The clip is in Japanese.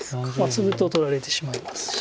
ツグと取られてしまいますし。